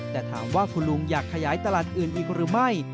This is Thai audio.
แต่ถามว่าคุณลุงอยากขยายตลาดอื่นอีกหรือไม่